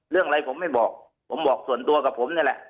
เรื่องอะไรผมไม่บอกผมบอกส่วนตัวกับผมนี่แหละ